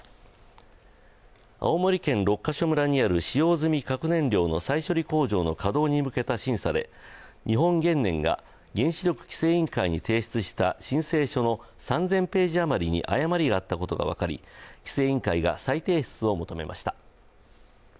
青森県六ヶ所村にある使用済み核燃料の再処理工場の稼働に向けた審査で日本原燃が原子力規制委員会に提出した申請書の３０００ページあまりに誤りがあったことが分かり規制委員会が再提出を求めました。